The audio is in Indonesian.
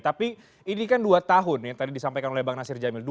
tapi ini kan dua tahun yang tadi disampaikan oleh bang nasir jamil dulu